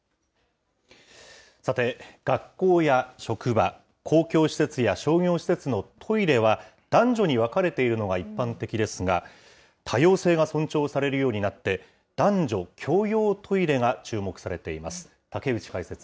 さて、学校や職場、公共施設や商業施設のトイレは、男女に分かれているのが一般的ですが、多様性が尊重されるようになって、男女共用トイレが注目されています。